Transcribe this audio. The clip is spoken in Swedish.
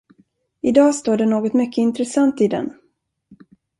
I dag står det något mycket intressant i den.